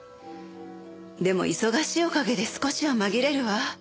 でも忙しいおかげで少しは紛れるわ。